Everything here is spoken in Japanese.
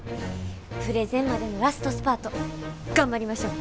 プレゼンまでのラストスパート頑張りましょう！